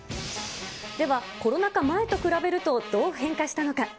では、コロナ禍前と比べるとどう変化したのか。